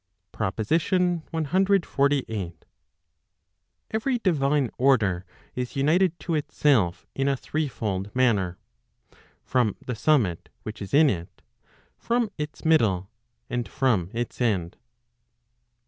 PROPOSITION CXLVIII. Every divine order is united to itself in a threefold manner, from the summit which is in it, from its middle, and from its end.